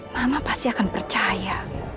mama pasti akan percaya